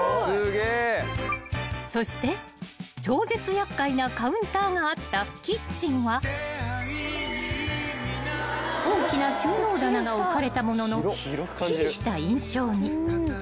［そして超絶厄介なカウンターがあったキッチンは大きな収納棚が置かれたもののすっきりした印象に］